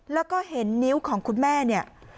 แล้วก็เห็นนิ้วของคุณแม่เนี่ย